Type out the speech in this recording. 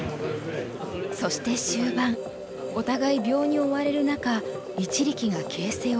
そして終盤お互い秒に追われる中一力が形勢を損ねた。